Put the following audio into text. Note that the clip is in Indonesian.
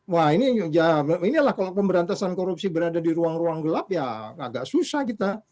wah ini ya inilah kalau pemberantasan korupsi berada di ruang ruang gelap ya agak susah kita